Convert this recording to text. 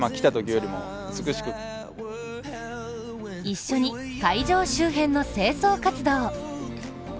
一緒に会場周辺の清掃活動。